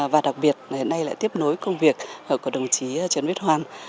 và đặc biệt nay lại tiếp nối công việc của đồng chí trần viết hoàn